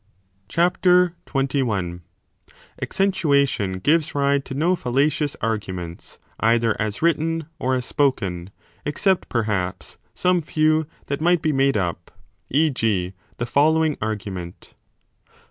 35 Accentuation gives rise to no fallacious arguments, either 21 as written or as spoken, except perhaps some few that might be made up ; e. g. the following argument.